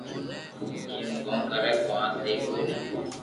ايم ڪو ڪري ڪو آ سھي ڪوئي ني